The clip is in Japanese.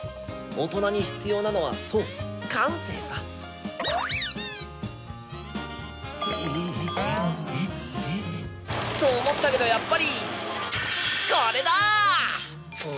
大人に必要なのはそう感性さ。と思ったけどやっぱりこれだ！